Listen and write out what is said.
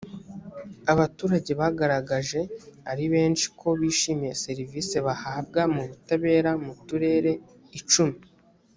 abaturage bagaragaje ari benshi ko bishimiye serivisi bahabwa mu butabera muturere icumi